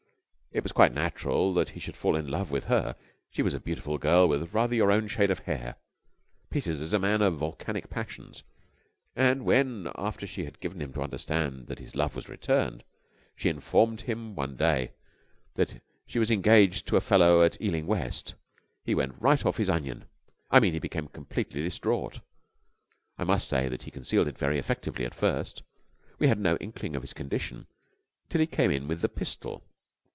It was quite natural that he should fall in love with her. She was a beautiful girl, with rather your own shade of hair. Peters is a man of volcanic passions, and, when, after she had given him to understand that his love was returned, she informed him one day that she was engaged to a fellow at Ealing West, he went right off his onion I mean, he became completely distraught. I must say that he concealed it very effectively at first. We had no inkling of his condition till he came in with the pistol.